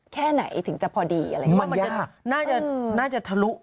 ก็ไม่ควร